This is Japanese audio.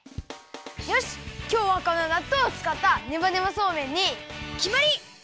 よしきょうはこのなっとうをつかったねばねばそうめんにきまり！